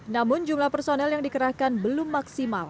namun jumlah personel yang dikerahkan belum maksimal